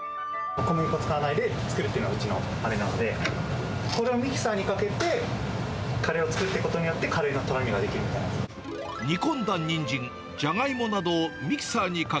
小麦粉を使わないで作るというのが、うちのカレーなので、これをミキサーにかけて、カレーを作っていくことによって、カレーのとろみができるというか。